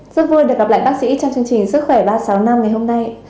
rất vui được gặp lại bác sĩ trong chương trình sức khỏe ba trăm sáu mươi năm ngày hôm nay